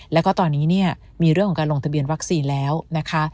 แล้วก็ตอนนี้เนี่ยมีเรื่องของการลงทะเบียนวัคซีนแล้วนะคะ